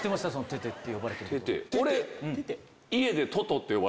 テテって呼ばれてるの。